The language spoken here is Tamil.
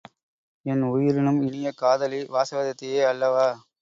என் உயிரினும் இனிய காதலி வாசவதத்தையே அல்லவா?